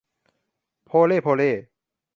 โพ่โล่เพ่เล่